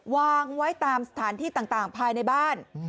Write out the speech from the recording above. วางไว้ตามสถานที่ต่างภายในบ้าน